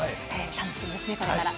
楽しみですね、これから。